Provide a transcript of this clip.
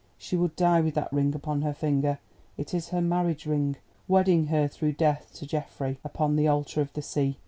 she would die with that ring upon her finger—it is her marriage ring, wedding her through death to Geoffrey, upon the altar of the sea.